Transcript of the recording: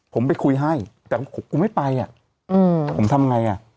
ผมไปคุยให้แต่ผมไม่ไปอ่ะอืมผมทำงังไงอ่ะ